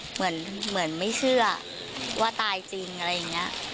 เหมือนเหมือนไม่เชื่อว่าตายจริงอะไรอย่างเงี้ย